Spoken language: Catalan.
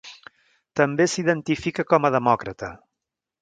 També s'identifica com a demòcrata.